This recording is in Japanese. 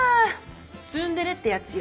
ツンデレってやつよ。